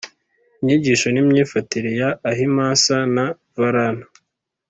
inyigisho n’imyifatire ya ahimsa na varna